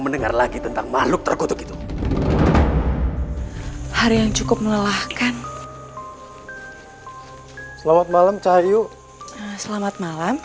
sudah pasti terus itu widely itu